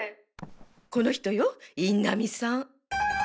この人よ印南さん。